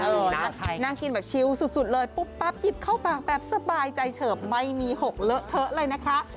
นั่งกินน่ะใช่น่ากินน่ากินแบบชิลล์สุดเลยปุ๊ปปั๊บหยิบเข้าปากแบบสบายใจเฉิบไม่มีหกเหลอะเทอะเลยนะคะ